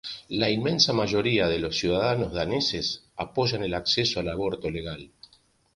La inmensa mayoría de los ciudadanos daneses apoyan el acceso al aborto legal.